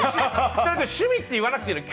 趣味って言わなくてもいいの。